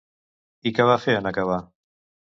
I què va fer en acabar?